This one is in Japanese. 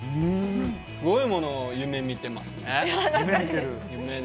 すごいものを夢見てますね。